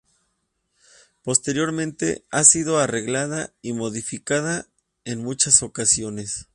Posteriormente ha sido arreglada y modificada en muchas ocasiones.